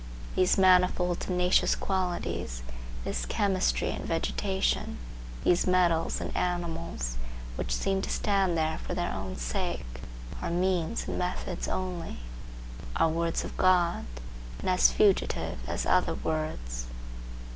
These manifold tenacious qualities, this chemistry and vegetation, these metals and animals, which seem to stand there for their own sake, are means and methods only,—are words of God, and as fugitive as other words.